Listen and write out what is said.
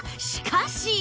しかし！